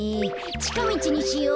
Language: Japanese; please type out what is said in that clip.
ちかみちにしよう。